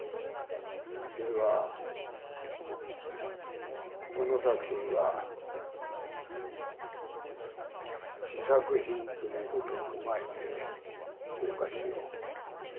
ではこの作品は試作品ということを踏まえて評価しよう。